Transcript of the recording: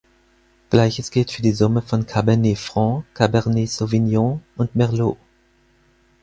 Gleiches gilt für die Summe von Cabernet Franc, Cabernet Sauvignon und Merlot.